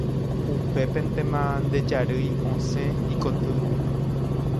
Upépentema nde jarýi osẽ ikotýgui.